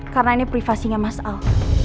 karena ini privasinya mas al